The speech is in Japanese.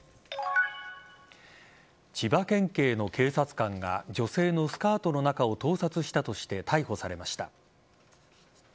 千葉県警の警察官が女性のスカートの中を盗撮したとして逮捕されました。